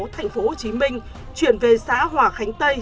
tp hcm chuyển về xã hòa khánh tây